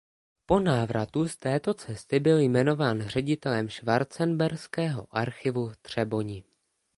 Po návratu z této cesty byl jmenován ředitelem schwarzenberského archivu v Třeboni.